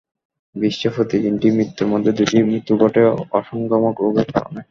বিশ্বে প্রতি তিনটি মৃত্যুর মধ্যে দুটি মৃত্যু ঘটে অসংক্রামক রোগের কারণে।